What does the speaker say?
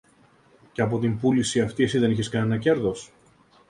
Και από την πούληση αυτή εσύ δεν είχες κανένα κέρδος;